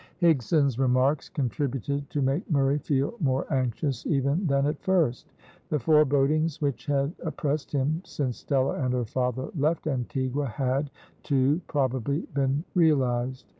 Higson's remarks contributed to make Murray feel more anxious even than at first. The forebodings which had oppressed him since Stella and her father left Antigua had, too, probably been realised.